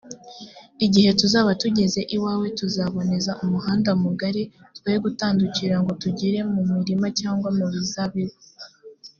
igihe tuzaba tugeze iwawe, tuzaboneza umuhanda mugari, twoye gutandukira ngo tukugire mu mirima cyangwa mu mizabibu.